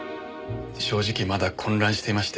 正直まだ混乱していまして。